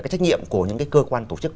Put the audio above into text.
cái trách nhiệm của những cơ quan tổ chức